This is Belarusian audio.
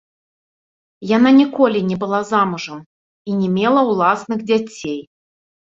Яна ніколі не была замужам і не мела ўласных дзяцей.